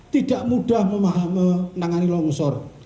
tidak mudah menangani longsor